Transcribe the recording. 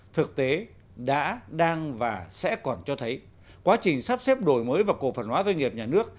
thực tế đã đang và sẽ còn cho thấy quá trình sắp xếp đổi mới và cổ phần hóa doanh nghiệp nhà nước